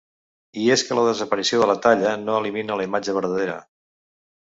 I és que la desaparició de la talla no elimina la imatge verdadera.